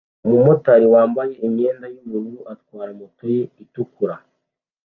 Umumotari wambaye imyenda yubururu atwara moto ye itukura